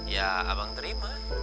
ya abang terima